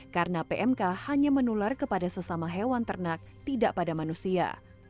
karena pmk hanya menular kepada sesama hewan ternak tidak pada manusia